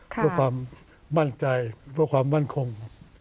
เพื่อความมั่นใจเพื่อความมั่นคง